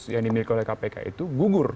yang dimiliki oleh kpk itu gugur